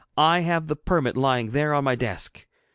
I have the permit lying there on my desk.'